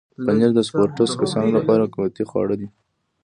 پنېر د سپورټس کسانو لپاره قوتي خواړه دي.